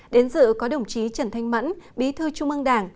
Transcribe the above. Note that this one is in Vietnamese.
đến dự có đồng chí trần thanh mẫn bí thư trung ương đảng